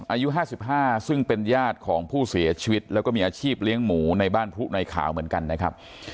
อายุ๕๕ซึ่งเป็นญาติของผู้เสียชีวิตแล้วก็มีอาชีพเลี้ยงหมูในบ้านพลุในขาวเหมือนกันนะครับ